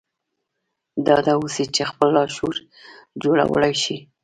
ډاډه اوسئ چې خپل لاشعور جوړولای شئ